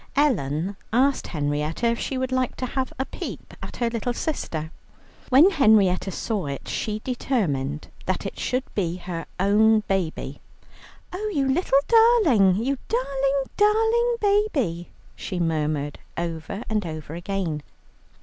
Ellen asked Henrietta if she would like to have a peep at her little sister. When Henrietta saw it, she determined that it should be her own baby. "Oh, you little darling, you darling, darling baby!" she murmured over and over again.